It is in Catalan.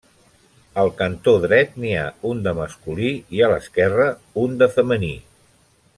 Al cantó dret n'hi ha un de masculí i a l'esquerra un de femení.